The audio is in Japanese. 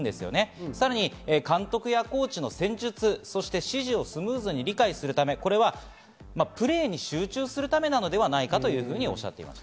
さらに監督やコーチの戦術、そして指示をスムーズに理解するため、プレーに集中するためなのではないかとおしゃっていました。